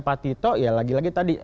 pak tito ya lagi lagi tadi